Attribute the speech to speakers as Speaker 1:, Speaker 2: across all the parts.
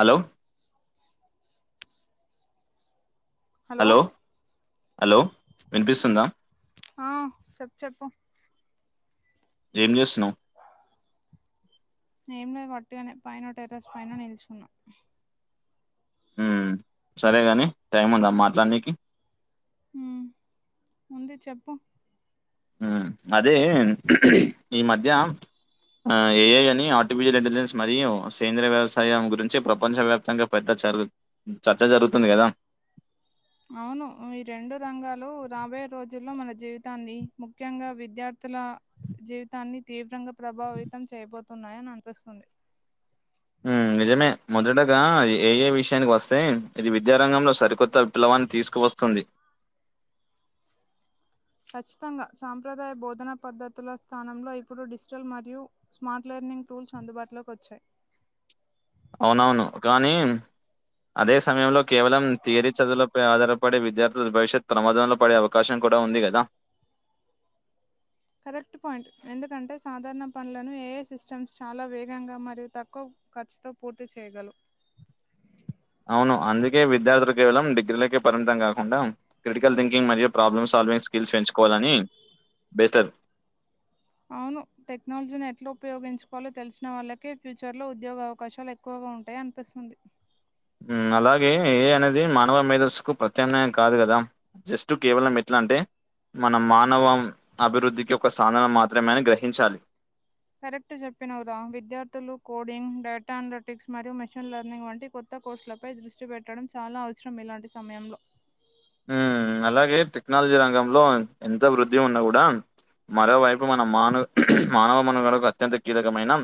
Speaker 1: Hello. Hello hello వినిపిస్తుందా.
Speaker 2: ఆ చెప్పు చెప్పు.
Speaker 1: ఏం చేస్తున్నావ్.
Speaker 2: ఏం లే కొట్టిటుగానే పైన టెర్రస్ పైన నిల్చున్న.
Speaker 1: ఉ సరేగాని టైం ఉందా మాట్లాడ్నికి.
Speaker 2: ఉ ఉంది చెప్పు.
Speaker 1: ఉ అది ఈ మధ్య. ఆ ఏఐ అని ఆర్టిఫిషియల్ ఇంటెలిజెన్స్ మరియు సేంద్రయ వ్యవసాయం గురించి ప్రపంచవ్యాప్తంగా. పెద్ద చరువు చర్చ జరుగుతుంది గదా.
Speaker 2: అవును ఈ రెండు రంగాలు రాబోయే రోజుల్లో మన జీవితాన్ని ముఖ్యంగా విద్యార్థుల. జీవితాన్ని తీవ్రంగా ప్రభావితం చేయబోతున్నాయని అనిపిస్తుంది.
Speaker 1: ఉ నిజమే మొదటగా ఏఐ విషయానికి వస్తే ఇది విద్యారంగంలో సరికొ. పిలవాని తీసుకువస్తుంది.
Speaker 2: ఖచ్చితంగా సాంప్రదాయ బోధనా పద్ధతుల స్థానంలో ఇప్పుడు డిజిటల్ మరియు. స్మార్ట్ లెర్నింగ్ టూల్స్ అందుబాటులోకి వచ్చాయి.
Speaker 1: అవునవును గానీ. అదే సమయంలో కేవలం తీరీ చదువులపై ఆధారపడే విద్యార్థుల భవిష్యత్ ప్రమోదంలో పడే అవ. కాశం కూడా ఉంది గదా.
Speaker 2: కరెక్ట్ పాయింట్ ఎందుకంటే సాధారణ పనులను ఏఐ సిస్టమ్స్ చాలా వేగంగా మరియు తక్కు. ఖర్చుతో పూర్తి చేయగలవ్.
Speaker 1: అవును అందుకే విద్యార్థులు కేవలం డిగ్రీలకే పరిమితం కాకుండా. క్రిటికల్ థింకింగ్ మరియు ప్రాబ్లమ్ సాల్వింగ్ స్కిల్స్ పెంచుకోవాలని బెటర్.
Speaker 2: అవును టెక్నాలజీని ఎట్లా ఉపయోగించుకోవాలో తెలిసిన వాళ్ళకే ఫ్యూచర్లో ఉద్యోగ అవకాశాలు ఎక్. క్కువగా ఉంటాయి అనిపిస్తుంది.
Speaker 1: ఉ అలాగే ఏఐ అనేది మానవ మేధస్ కు ప్రత్యామ్నాయం కాదు గదా. జస్ట్ కేవలం ఎట్లా అంటే. మనం మానవం అభివృద్ధికి ఒక సాధనం మాత్రమేనని గ్రహించాలి
Speaker 2: కరెక్ట్ చెప్పినవ్ ర విద్యార్థులు కోడింగ్ డేటా అనాలటిక్స్ మరియు మెషిన్ లెర్నింగ్ వంటి కొత్త కొత్త కోర్సులపై దృష్టి పెట్టడం చాలా అవసరం ఇలాంటి సమయంలో
Speaker 1: ఉమ్ అలాగే టెక్నాలజీ రంగంలో ఎంత వృద్ధి ఉన్నా కూడా మరోవైపు మన మానవ మానవ మనుగడకు అత్యంత కీలకమైన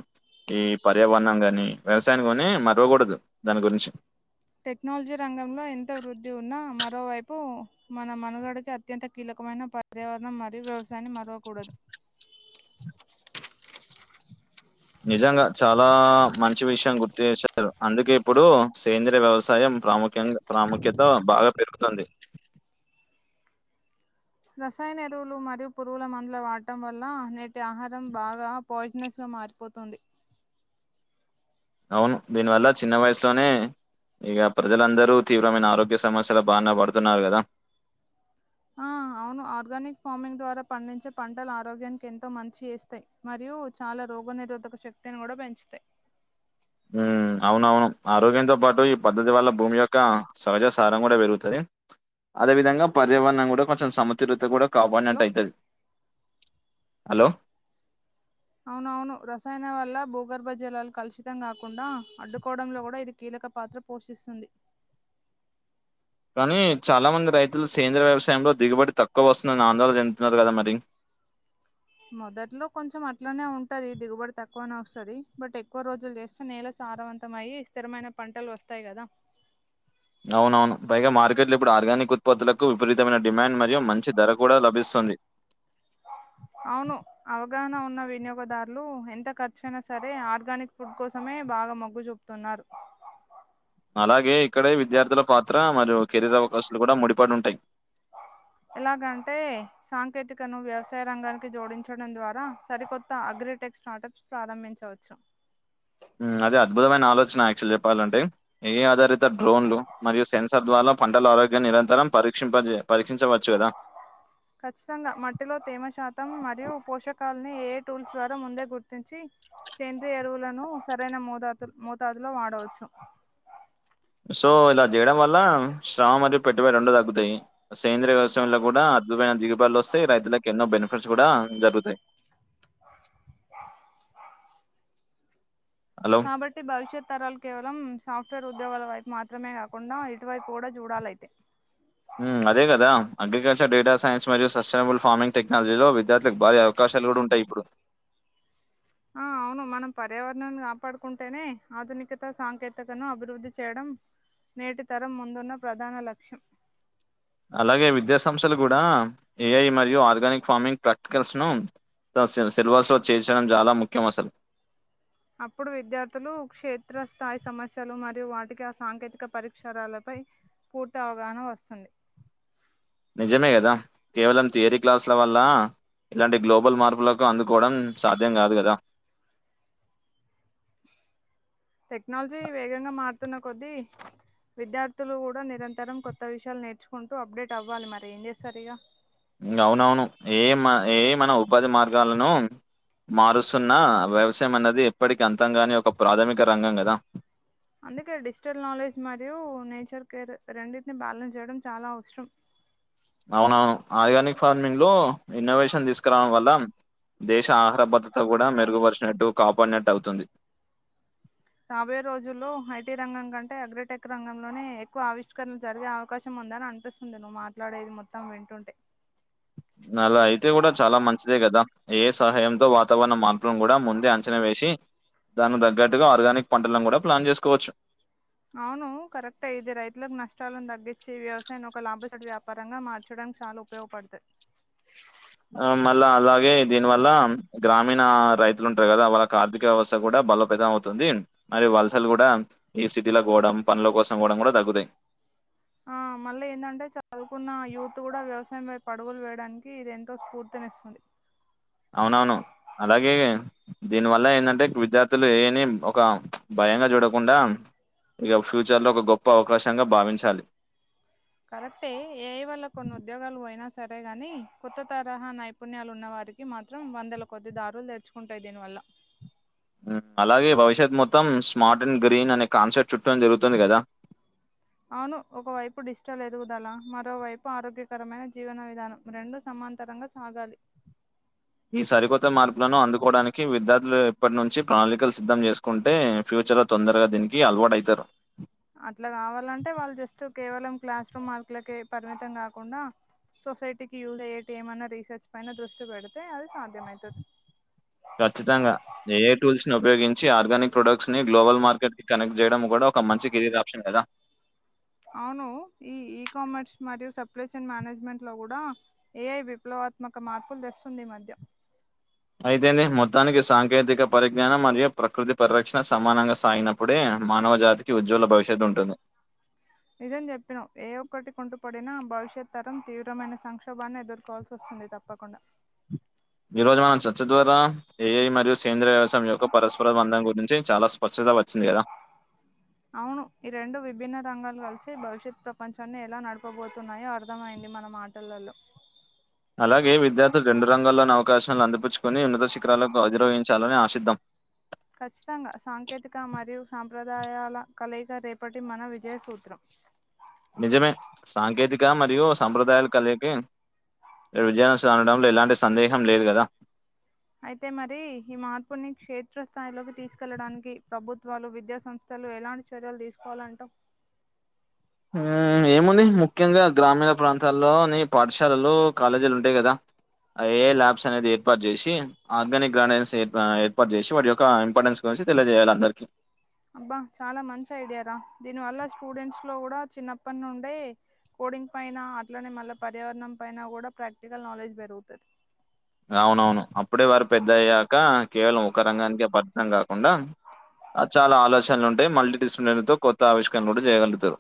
Speaker 1: ఈ పర్యావరణం గానీ వ్యవసాయం గానీ మరవకూడదు దాని గురించి
Speaker 2: టెక్నాలజీ రంగంలో ఎంత వృద్ధి ఉన్నా మరోవైపు మన మనుగడికి అత్ అత్యంత కీలకమైన పర్యావరణం మరియు వ్యవసాయాన్ని మరవకూడదు
Speaker 1: నిజంగా చాలా మంచి విషయం గుర్తు చేశారు అందుకే ఇప్పుడు సేంద్రియ వ్యవసాయం ప్రాముఖ్యంగా ప్రాముఖ్యత బాగా పెరుగుతుంది
Speaker 2: రసాయన ఎరువులు మరియు పురుగుల మందులు వాడటం వల్ల నేటి ఆహారం బాగా పాయిజనెస్గా మారిపోతుంది
Speaker 1: అవును దీనివల్ల చిన్న వయసులోనే ఇక ప్రజలందరూ తీవ్రమైన ఆరోగ్య సమస్యలు బానే పడుతున్నారు గదా
Speaker 2: ఆ అవును ఆర్గానిక్ ఫార్మింగ్ ద్వారా పండించే పంటలు ఆరోగ్యానికి ఎంతో మంచి జెస్తాయ్ మరియు చాలా రోగ నిరోధక శక్తిని కూడా పెంచుతయ్
Speaker 1: ఉమ్ అవునవును ఆరోగ్యంతో పాటు ఈ పద్ధతి వల్ల భూమి యొక్క సహజ సారం గూడా పెరుగుతది అదే విధంగా పర్యావరణం గూడా కొంచెం సముతులత కూడా
Speaker 2: హలో
Speaker 1: కాపాడినట్టు అయితది హలో
Speaker 2: అవునవును రసాయన వల్ల భూగర్భ జలాలు కలుషితం కాకుండా అడ్డుకోవడంలో కూడా ఇది కీలక పాత్ర పోషిస్తుంది
Speaker 1: కానీ చాలా మంది రైతులు సేంద్ర వ్యవసాయంలో దిగుబడి తక్కువ వస్తుందని ఆందోళన చెందుతున్నారు గదా మరి
Speaker 2: మొదట్లో కొంచెం అట్లనే ఉంటది దిగుబడి తక్కువనే వస్తుంది బట్ ఎక్కువ రోజులు చేస్తే నేల సారవంత తమయి స్థిరమైన పంటలు వస్తాయి గదా
Speaker 1: అవునవును పైగా మార్కెట్లు ఇప్పుడు ఆర్గానిక్ ఉత్పత్తులకు విపరీతమైన డిమాండ్ మరియు మంచి ధర కూడా లభిస్తుంది
Speaker 2: అవును అవగాహన ఉన్న వినియోగదారులు ఎంత ఖర్చు అయినా సరే ఆర్గానిక్ ఫుడ్ కోసమే బాగా మెగ్గు చూపు తున్నారు
Speaker 1: అలాగే ఇక్కడే విద్యార్థుల పాత్ర మరియు కెరీర్ అవకాశాలు గూడా ముడిపడి ఉంటాయి
Speaker 2: ఎలాగంటే సాంకేతికను వ్యవసాయ రంగానికి జోడించడం ద్వారా సరికొత్త అగ్రిటెక్స్ట్ స్టార్టప్స్ ప్రారంభించవచ్చు
Speaker 1: ఉమ్ అది అద్భుతమైన ఆలోచన యాక్చువల్ చెప్పాలంటే ఏ ఆధారిత డ్రోన్లు మరియు సెన్సర్ ద్వారా పంటల ఆరోగ్యాన్ని నిరంతరం పరీక్షంపజే పరీక్షించవచ్చు కదా
Speaker 2: ఖచ్చితంగా మట్టిలో తేమ శాతం మరియు పోషకాలని ఏఐ టూల్స్ ద్వారా ముందే గుర్తించి సెంద్రీయేరువులను సరైన మోతాతు మోతాదులో వాడవచ్చు
Speaker 1: సో ఇలా చేయడం వల్ల శ్రమ మరియు పెట్టుబడి రెండు తగ్గుతాయి సేంద్రీయ వ్యసయంలో కూడా అద్భుమైన దిగుబలొస్తాయి రైతులకు ఎన్నో బెనిఫిట్స్ కూడా జరుగుతాయి హలో!
Speaker 2: కాబట్ ట్టి భవిష్యత్ తరాలు కేవలం సాఫ్ట్వేర్ ఉద్యోగాల వైపు మాత్రమే కాకుండా ఇటువైపు కూడా చూడాలైతే
Speaker 1: అదే కదా అగ్రికల్చర్ డేటా సైన్స్ మరియు సస్టైనబుల్ ఫార్మింగ్ టెక్నాలజీలో విత్ విద్యార్థులకు భారీ అవకాశాలు కూడా ఉంటాయి ఇప్పుడు
Speaker 2: ఆ అవును మనం పర్యావరణాన్ని కాపాడుకుంటేనే ఆధునికత సాంకేతికతను అభివృద్ధి చేయడం నేటి తరం ముందున్న ప్రధాన లక్షం
Speaker 1: అలాగే విద్యా సంస్థలు కూడా ఏఐ మరియు ఆర్గానిక్ ఫార్మింగ్ ప్రాక్టికల్స్ ను సిలబస్ లో చేర్చడం చాలా ముఖ్యం అసలు
Speaker 2: అప్పుడు విద్యార్థులు క్షేత్రస్థాయి సమస్యలు మరియు వాటికి ఆ సాంకేతిక పరిక్షరాలపై పూర్తి అవగాహన వస్తుంది
Speaker 1: నిజమే కదా కేవలం థియరీ క్లాసుల వల్ల ఇట్లాంటి గ్లోబల్ మార్పులకు అందుకోవడం సాధ్యం కాదు కదా
Speaker 2: టెక్నాలజీ వేగంగా మారుతున్న కొద్దీ విద్యార్థులు కూడా నిరంతరం కొత్త విషయాలు నేర్చుకుంటూ అప్డేట్ అవ్వాలి మరేం జేస్తారిగా
Speaker 1: ఇంగా అవునవును ఏమ్ ఏమనావ్ ఉపాధి మార్గాలను మారుస్తున్న వ్యవసాయం అన్నది ఎప్పటికి అంతంగానే ఒక ప్రాథమిక రంగం గదా
Speaker 2: అందుకే డిజిటల్ నాలెడ్జ్ మరియు నేచర్ కేర్ రెండింటిని బ్యాలెన్స్ చేయడం చాలా అవసరం
Speaker 1: అవునవును ఆర్గానిక్ ఫార్మింగ్లో ఇన్నోవేషన్ తీస్కురావడం వల్ల దేశ ఆహార భద్రత కూడా మెరుగుపరిచినట్టు కాపాడినట్టు అవుతుంది
Speaker 2: రాబోయే రోజుల్లో ఐటీ రంగం కంటే అగ్రటెక్ రంగంలోనే ఎక్కువ ఆవిష్కరణలు జరిగే అవకాశం ఉందని అనిపిస్తు వుంది నువ్వు మాట్లాడేది మొత్తం వింటుంటే
Speaker 1: అలా అయితే కూడా చాలా మంచిదే కదా ఏ సహాయంతో వాతావరణం మా మార్పులను కూడా ముందే అంచనా వేసి దాన్ని తగ్గట్టుగా ఆర్గానిక్ పంటలను కూడా ప్లాన్ చేస్కోవచ్చు
Speaker 2: అవును కరెక్టే ఇది రైతులకు నష్టాలను తగ్గించి వ్యవసాయాన్ని ఒక లాభసాటి వ్యాపారంగా మార్చడం చాలు ఉపయోగపడ్తే
Speaker 1: ఆ మళ్ళా అలాగే దీని వల్ల గ్రామీణ రైతులుంటారు కదా వాళ్ళకి ఆర్థిక వ్యవస్థ కూడా బలోపేతం అవుతుంది మరి వలసలు కూడా ఈ సిటీలకు పొవడం పనుల కోసం పోవడం కూడా తగ్గుతాయి
Speaker 2: ఆ మళ్ళీ ఏందంటే చదువుకున్న యూత్ కూడా వ్యవసాయం వైపు అడుగులు వేయడానికి ఇది ఎంతో స్ఫూర్తినిస్తుంది
Speaker 1: అవునవును అలాగే దీని వల్ల ఎందంటే విద్యార్థులు ఏఐ ఒక భయంగా జూడకుండా ఇక ఫ్యూచర్లో ఒక గొప్ప అవకాశంగా భావించాలి
Speaker 2: కరెక్టే ఏఐ వల్ల కొన్ని ఉద్యోగాలు పోయినా సరే గాని కొత్త తరహా నైపు నైపుణ్యాలు ఉన్న వారికి మాత్రం వందల కొద్ది దారులు తెర్చుకుంటాయి దీనివల్ల
Speaker 1: మ్మ్ అలాగే భవిష్యత్ మొత్తం స్మార్ట్ అండ్ గ్రీన్ అనే కాన్సెప్ట్ చుట్టును తిరుగుతుంది కదా
Speaker 2: అవును ఒకవైపు డిస్టాల్ ఎదుగుదల మరోవైపు ఆరోగ్యకరమైన జీవన విధానం రెండు సమాంతరంగా ఆగాలి
Speaker 1: ఈ సరికొత్త మార్పులను అందుకోవడానికి విద్యార్థులు ఇప్పట్నుంచి ప్రణాళికలు సిద్ధం చేస్కుంటే ఫ్యూచర్లో తొందరగా దీనికి అలవాటైతారు
Speaker 2: అట్లా కావాలంటే వాళ్ళు జస్ట్ కేవలం క్లాస్ రూమ్ మార్కులకే పరిమితం కాకుండా సొసైటీకి యూజ్ అయ్యేటివి ఏమన్నా రీసర్చ్ పైన దృష్టి పెడ్తే అది సాధ్యమైతది
Speaker 1: ఖచ్చితంగా ఏఐ టూల్స్ ని ఉపయోగించి ఆర్గానిక్ ప్రొడక్ట్స్ ని గ్లోబల్ మార్కెట్ కనెక్ట్ జేయడం గూడా ఒక మంచి కెరీర్ ఆప్షన్ గదా
Speaker 2: అవును ఈ ఈ కామర్స్ మరియు సప్లైచెన్ మేనేజ్మెంట్ లో గూడా ఏఐ విప్లవత్మాక మార్పులు తెస్తుంది ఈ మధ్య
Speaker 1: అయితే ఏంది మొత్తానికి సాంకేతిక పరిజ్ఞానం మరియు ప్రకృతి పరిరక్ష రక్షణ సమానంగా సాగినప్పుడే మానవ జాతికి ఉజ్వల భవిష్యత్తు ఉంటుంది
Speaker 2: నిజం జెప్పినావ్ ఏ ఒక్కటి కుంటుపడినా భవిష్యత్ తరం తీవ్రమైన సంక్షోభాన్ని ఎదుర్కోవాల్సి వస్తుంది తప్ప తప్పకుండా
Speaker 1: ఈ రోజు మనం చర్చ ద్వారా ఏఐ మరియు సేంద్రయ వ్యవసాయం యొక్క పరస్పర బంధం గురించి చాలా స్పష్టత వచ్చింది గదా
Speaker 2: అవును ఈ రెండు విభిన్న రంగాలు కలిసి భవిష్యత్ ప్రపంచాన్ని ఎలా నడుపబోతున్నాయో అర్థమైంది మన మా టలలో
Speaker 1: అలాగే విద్యార్థులు రెండు రంగల్లోని అవకాశాలు అందిపుచ్చుకోని ఉన్నత శిఖరాలకు అధిరోవహించాలని ఆషిద్దం
Speaker 2: ఖచ్చితంగా సాంకేతిక మరియు సాంప్రదాయాల కలయిక రేపటి మన విజయసూత్రం
Speaker 1: నిజమే సాంకేతిక మరియు సాంప్రదాయలు కలయికే విజయం [inaudible] లో ఎలాంటి సందేహం లేదు గదా
Speaker 2: అయితే మరి ఈ మార్పుని క్షేత్రస్థాయిలోకి తీసుకెళ్లడానికి ప్రభుత్వాలు విద్యా సంస్ తలు ఎలాంటి చర్యలు దీస్కోలంటావ్
Speaker 1: మ్మ్ ఏముంది ముఖ్యంగా గ్రామీణ ప్రాంతాల్లోని పాఠశాలలో కాలేజీలు ఉం టాయి కదా అవి ల్యాబ్స్ అనేది ఏర్పాటు జేషి ఆర్గానిక్ గార్డెన్స్ ఆ ఏర్పాటు జేసి వాటి యొక్క ఇంపార్టెన్స్ గురించి తెలిజేయాలి అందరికి
Speaker 2: అబ్బా చాలా మంచి ఐడియారా దీని వల్ల స్టూడెంట్స్ లో గుడా చిన్నప్పటి నుండే కోడింగ్ పైన అట్లనే మళ్ళీ పర్యావరణం పైన గూడా ప్రాక్టికల్ నాలెడ్జ్ పెరుగుతది
Speaker 1: అవునవును అప్పుడే వారు పెద్దయ్యాక కేవలం ఒక రంగానికే పర్మితం కాకుండా ఆ చాలా ఆలోచనలు ఉంటాయి మల్టీ డిసిప్లిన్ తో కొత్త ఆవిష్కరణ గుడా చేయగలుగుతారు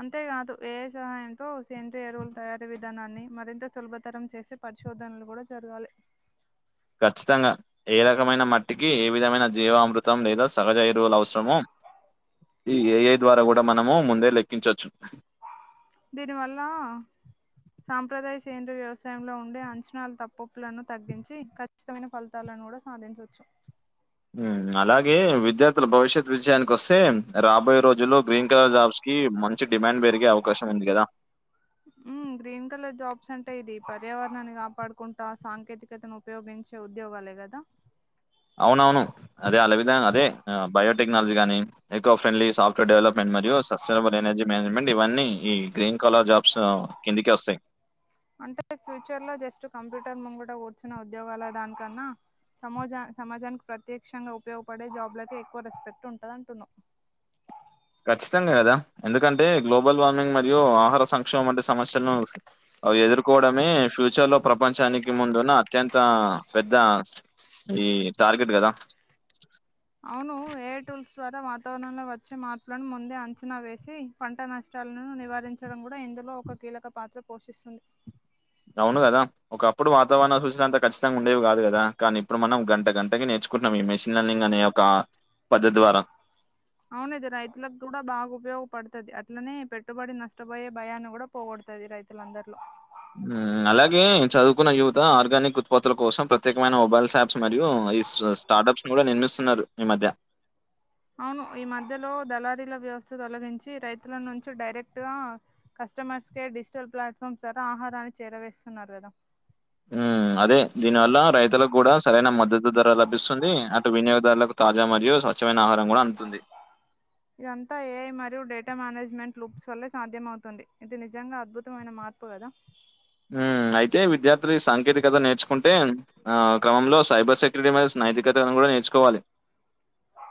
Speaker 2: అంతేకాదు ఏఐ సహాయంతో సేంద్రి ఎరువుల తయారీ విధానాన్ని మరింత సులభతరం జేసి పరిశోధనలు గూడా జరగాలి
Speaker 1: ఖచ్చితంగా ఏ రకమైన మట్టికి ఈ విధమైన జీవ అమృతం లేదా సహజ ఇరువులు అవసరమో ఈ ఏఐ ద్వారా గూడా మనము ముందే లెక్కించోచ్చు
Speaker 2: దీనివల్లా సాంప్రదాయ సేంద్రియ వ్యవసాయంలో ఉండే అంచనాల తప్పొప్పులను తగ్గించి ఇంక ఉచితమైన ఫలితాలను గుడా సాధించొచ్చు
Speaker 1: మ్మ్ అలాగే విద్యార్థుల భవిష్యత్ విషయానికి వస్తే రాబోయే రోజుల్లో గ్రీన్ కలర్ జాబ్స్ కీ మంచి డిమాండ్ పెరిగే అవకాశం ఉంది గదా
Speaker 2: మ్మ్ గ్రీన్ కలర్ జాబ్స్ అంటే ఇది పర్యావరణాన్ని కాపాడుకుంటా సాంకేతికతను ఉపయోగించే ఉద్యోగాలే గదా
Speaker 1: అవునవును అదే అలవిదా అదే ఆ బయోటెక్నాలజీ గాని eco friendly soft to development మరియు సస్టైనబుల్ ఎనర్జీ మేనేజ్మెంట్ ఇవన్నీ ఈ గ్రీన్ కలర్ జాబ్స్ కిందికే ఒస్తాయి
Speaker 2: అంటే ఫ్యూచర్ లో జస్ట్ కంప్యూటర్ ముంగట గూర్చున ఉద్యోగాల దానికన్నా సమొజ సమాజానికి ప్రత్యేక్షంగా ఉపయోగపడే జాబ్లకే ఎక్కువ రెస్పెక్ట్ ఉంటద్ అంటున్నావ్
Speaker 1: ఖచ్చితంగా గదా ఎందుకంటే గ్లోబల్ వార్మింగ్ మరియు ఆహార సంక్షేమం వంటి సమస్యలను అవి ఎదుర్కోవడమే ఫ్యూచర్ లో ప్రపంచానికి ముందున్న అత్యంతా పెద్ద ఈ టార్గెట్ గదా
Speaker 2: అవును ఎఐ టూల్స్ ద్వారా వాతావరణంలో వచ్చే మార్పులను ముందే అంచనా వేసి పంట నష్టాల్ను నివారించడం గూడ ఇందులో ఒక కీలక పాత్ర పోషిస్తుంది
Speaker 1: అవును గదా ఒకప్పుడు వాతావరణం చూసినంత ఖచ్చితంగా ఉండేవి గాదు గదా కానీ ఇప్పుడు మనం గంట గంటకి నేర్చుకుంట్నం ఈ మెషిన్ లెర్నింగ్ అనే ఓ క పది ద్వారా
Speaker 2: అవునిది రైతులక్కూడా బాగా ఉపయోగపడ్తది అట్లనే పెట్టుబడి నష్టపోయే భయాన్ని గుడా పోగొడుతది రైతులందరిలో
Speaker 1: మ్మ్ అలాగే చదువుకున్న యువత ఆర్గానిక్ ఉత్పత్తుల కోసం ప్రత్యేకమైన మొబైల్స్ యాప్స్ మరియు ఇశ్రాస్ స్టార్టప్స్ ను కూడా నిర్మిస్తున్నారు ఈ మధ్య
Speaker 2: అవును ఈ మధ్యలో దళారీల వ్యవస్థ తొలగించి రైతుల నుంచి డైరెక్ట్ గా కస్టమర్స్ కేర్ డిజిటల్ ప్లాట్ఫామ్స్ ద్వారా ఆహారాన్ని చేరవేస్తున్నారు కదా
Speaker 1: ఉ అదే దీని వల్ల రైతులకు కూడా సరైన మద్దతు ధర లభిస్తుంది అటు వినియోగదారులకు తాజా మరియు స్వచ్ఛమైన ఆహారం కూడా అందుతుంది
Speaker 2: ఇదంతా ఏఐ మరియు డేటా మేనేజ్మెంట్ లుప్స్ వల్లే సాధ్యమవుతుంది ఇది నిజంగా అద్భుతమైన మార్పు కదా
Speaker 1: అయితే విద్యార్థులు ఈ సాంకేతికత నేర్చుకుంటే ఆ క్రమంలో సైబర్ సెక్యూరిటీ మధస్సు నైతికతను కూడా నేర్చుకోవాలి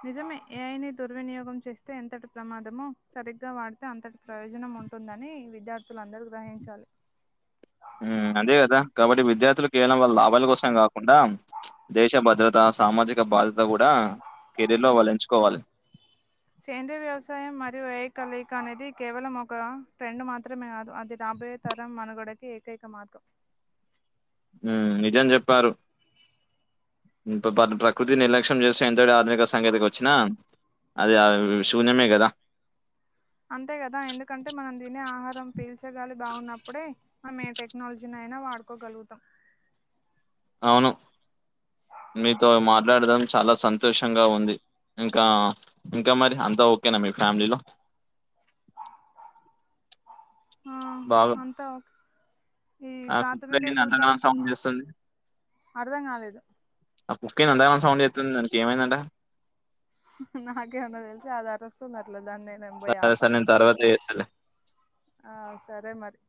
Speaker 2: నిజమే ఏఐని దుర్వినియోగం చేస్తే ఎంతటి ప్రమాదమో సరిగ్గా వాడితే అంతటి ప్రయోజనం ఉంటుందని విద్యార్థులందరూ గ్రహించాలి
Speaker 1: ఉమ్ అదే కదా కాబట్టి విద్యార్థులకు కేవలం వల్ల లాభాల కోసమే కాకుండా దేశ భద్రత సామాజిక బాధ కూడా కెరీర్ లో వాళ్ళు ఎంచుకోవాలి
Speaker 2: సేంద్రయ వ్యవసాయం మరియు వ్యయ కలయిక అనేది కేవలం ఒక ట్రెండ్ మాత్రమే కాదు అది రాబోయే తరం మనుగడకి ఏకైక మార్గం
Speaker 1: ఉమ్ నిజం చెప్పారు ఇ ప్రకృతి నిర్లక్ష్యం చేస్తే ఎంతటి ఆధునిక సాకేతికత వచ్చినా అది ఆ శూన్యమే కదా
Speaker 2: అంతే కదా ఎందుకంటే మనం తినే ఆహారం పీల్చగాలి బాగున్నప్పుడే మనం ఏ టెక్నాలజీని అయినా వాడుకోగలుగుతాం
Speaker 1: అవును మీతో మాట్లాడదాం చాలా సంతోషంగా ఉంది ఇంకా ఇంకా మరి అంతా ఓకేనా మీ ఫ్యామిలీలో
Speaker 2: ఆ
Speaker 1: బాగా
Speaker 2: అంత ఓ
Speaker 1: ఆ కుక్క ఏంటి అంతగా సౌండ్ చేస్తుంది
Speaker 2: అర్థం కాలేదు
Speaker 1: ఆ కుక్కేంది అంతగా సౌండ్ చేస్తుంది దానికి ఏమైందంటా
Speaker 2: నాకేమన్నా తెలిస అది అరుస్తుంది అట్లా దాన్ని నేనుం పోయి
Speaker 1: సరే సరే
Speaker 2: ఆపాల
Speaker 1: నేను తర్వాత చేస్తాలే
Speaker 2: ఆ సరే మరి